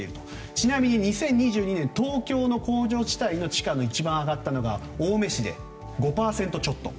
ちなみに２０２２年東京の工場地帯の地価で一番上がったのが青梅市で５％ちょっと。